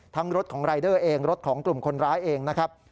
รถของรายเดอร์เองรถของกลุ่มคนร้ายเองนะครับ